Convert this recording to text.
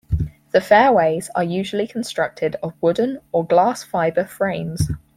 The fairways are usually constructed of wooden or glass fibre frames.